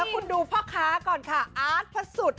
แล้วคุณดูพ่อค้าก่อนค่ะอาร์ตพระสุด